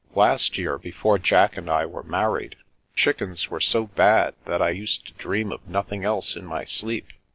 Last year, before Jack and I were married, chickens were so bad that I used to dream of nothing else in my sleep.